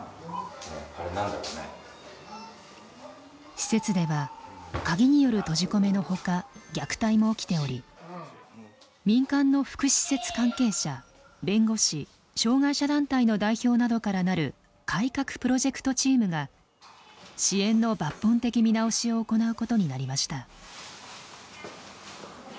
施設では鍵による閉じ込めの他虐待も起きており民間の福祉施設関係者弁護士障害者団体の代表などから成る改革プロジェクトチームが支援の抜本的見直しを行うことになりました。